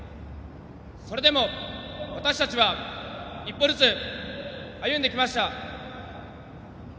それでも、私たちは一歩ずつ歩んできました。